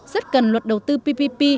rất cần luật đầu tư ppp